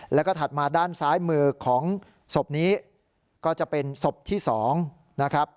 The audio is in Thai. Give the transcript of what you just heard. แล้วก็ถัดมาด้านซ้ายมือของศพนี้ก็จะเป็นศพที่๒นะครับ